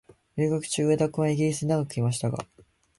留学中、上田君はイギリスに長くいましたが、